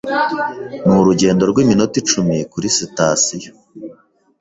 Ni urugendo rw'iminota icumi kuri sitasiyo.